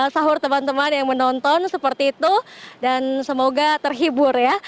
sahur teman teman yang menonton seperti itu dan semoga terhibur ya